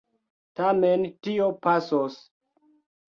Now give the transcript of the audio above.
Tamen tio pasos.